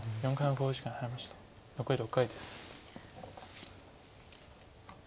残り６回です。